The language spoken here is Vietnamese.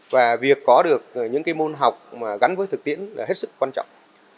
và việc có được những môn học gắn với thực tiễn là hết sức quan trọng